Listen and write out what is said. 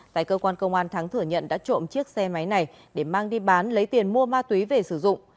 tại cơ quan công an thắng thử nhận đã trộm chiếc xe máy này để mang đi bán lấy tiền mua ma túy về sử dụng